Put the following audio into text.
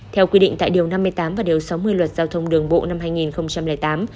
theo quy định tại điều năm mươi tám và điều sáu mươi luật giao thông đường bộ năm hai nghìn hai mươi hai